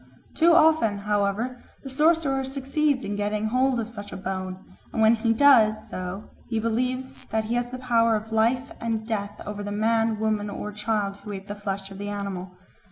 Too often, however, the sorcerer succeeds in getting hold of such a bone, and when he does so he believes that he has the power of life and death over the man, woman, or child who ate the flesh of the animal.